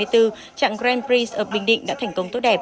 trạng grand prix ở bình định đã thành công